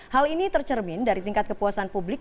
hal ini tercermin dari tingkat kepuasan publik